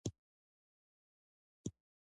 پښتون د دوستۍ حق ادا کوي.